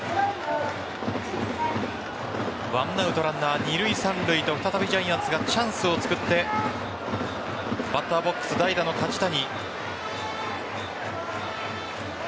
１アウトランナー二塁・三塁と再びジャイアンツがチャンスを作ってバッターボックス代打の梶谷。